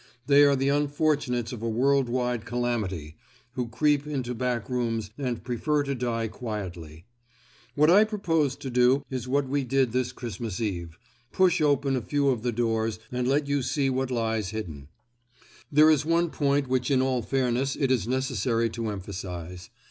They are the unfortunates of a world wide calamity, who creep into back rooms and prefer to die quietly. What I propose to do is what we did this Christmas Eve—push open a few of the doors and let you see what lies hidden. There is one point which in all fairness it is necessary to emphasize.